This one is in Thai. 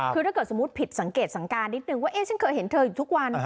คือถ้าเกิดสมมุติผิดสังเกตสังการนิดนึงว่าฉันเคยเห็นเธออยู่ทุกวัน